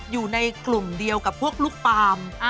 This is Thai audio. อยู่ในกลุ่มเดียวกับพวกลูกปาล์ม